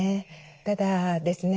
ただですね